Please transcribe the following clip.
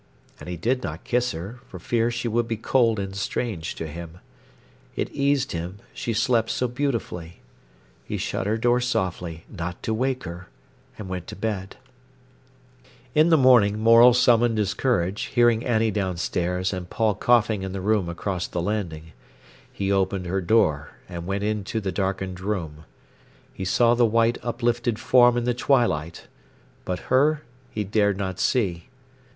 And he did not kiss her, for fear she should be cold and strange to him. It eased him she slept so beautifully. He shut her door softly, not to wake her, and went to bed. In the morning Morel summoned his courage, hearing Annie downstairs and Paul coughing in the room across the landing. He opened her door, and went into the darkened room. He saw the white uplifted form in the twilight, but her he dared not see.